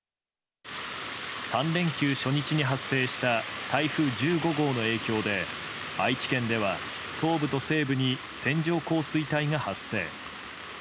３連休初日に発生した台風１５号の影響で愛知県では東部と西部に線状降水帯が発生。